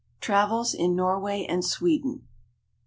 TRAVELS IN NORWAY AND SWEDEN.